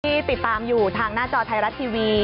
ที่ติดตามอยู่ทางหน้าจอไทยรัฐทีวี